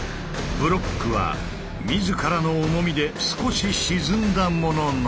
ブロックは自らの重みで少し沈んだものの。